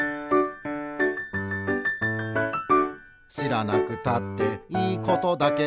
「しらなくたっていいことだけど」